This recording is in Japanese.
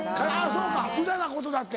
そうか無駄なことだって。